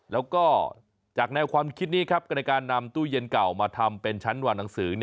แล้วก็จากแนวความคิดนี้ครับก็ในการนำตู้เย็นเก่ามาทำเป็นชั้นวางหนังสือ